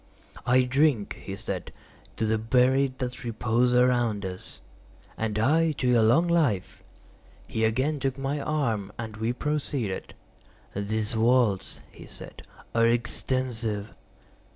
"I drink," he said, "to the buried that repose around us." "And I to your long life." He again took my arm, and we proceeded. "These vaults," he said, "are extensive."